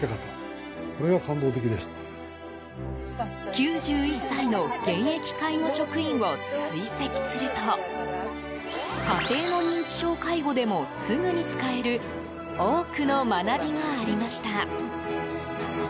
９１歳の現役介護職員を追跡すると家庭の認知症介護でもすぐに使える多くの学びがありました。